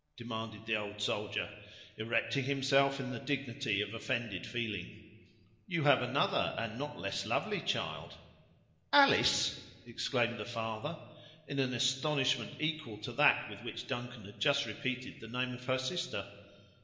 demanded the old soldier, erecting himself in the dignity of offended feeling. "You have another, and not less lovely child." "Alice!" exclaimed the father, in an astonishment equal to that with which Duncan had just repeated the name of her sister.